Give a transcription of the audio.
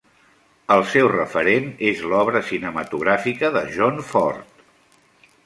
El seu referent és l'obra cinematogràfica de John Ford.